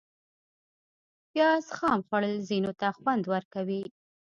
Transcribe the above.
پیاز خام خوړل ځینو ته خوند ورکوي